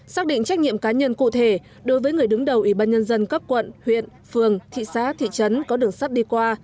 xác định trách nhiệm cá nhân cụ thể đối với người đứng đầu ủy ban nhân dân các quận huyện phường thị xã thị trấn có đường sắt đi qua